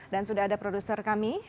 dan sudah ada produser kami nur aspasya